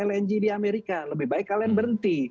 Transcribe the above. lng di amerika lebih baik kalian berhenti